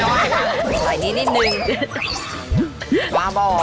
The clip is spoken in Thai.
เอานี้นิ่นนึง